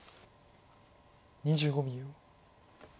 ２５秒。